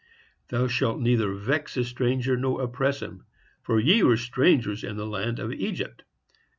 Thou shalt neither vex a stranger nor oppress him; for ye were strangers in the land of Egypt.